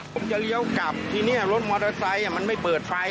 ผมจะเลี้ยวกลับทีนี้รถมอเตอร์ไซค์มันไม่เปิดไฟ